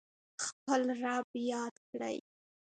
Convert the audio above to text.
خپل رب یاد کړئ